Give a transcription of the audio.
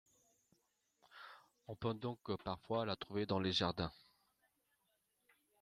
On peut donc parfois la trouver dans les jardins.